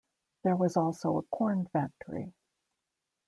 There was also a corn factory.